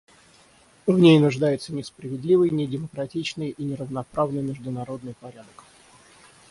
В ней нуждается несправедливый, недемократичный и неравноправный международный порядок.